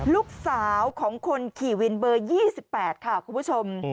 ลูกสาวของคนขี่วินเบอร์๒๘ค่ะคุณผู้ชม